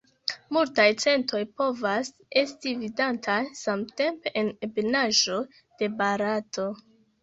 Multaj centoj povas esti vidataj samtempe en ebenaĵoj de Barato.